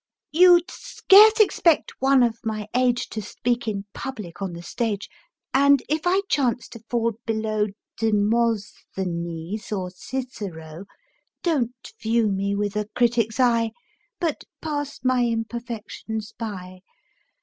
YOU'D scarce expect one of my age To speak in public on the stage, And if I chance to fall below Demosthenes or Cicero, Don't view me with a critic's eye, But pass my imperfections by.